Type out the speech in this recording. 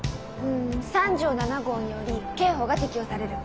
ん３条７号により刑法が適用される。